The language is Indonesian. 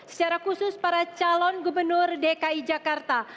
secara khusus para calon gubernur dki jakarta